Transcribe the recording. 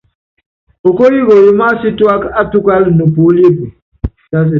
Okóyikoyi másítuáka átukála nopuóli epue.